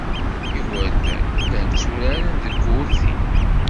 Igerdan llan tturaren deg wurti.